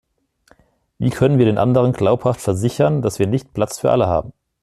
Wie können wir den anderen glaubhaft versichern, dass wir nicht Platz für alle haben?